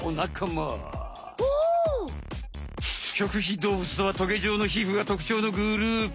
棘皮動物とはトゲ状のひふが特徴のグループ。